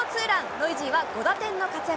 ノイジーは５打点の活躍。